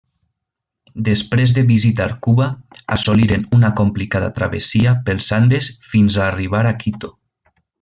Després de visitar Cuba, assoliren una complicada travessia pels Andes fins a arribar a Quito.